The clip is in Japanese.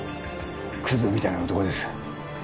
クズみたいな男です。